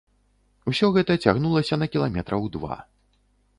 Усё гэта цягнулася на кіламетраў два.